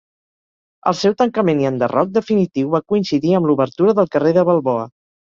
El seu tancament i enderroc definitiu va coincidir amb l'obertura del carrer de Balboa.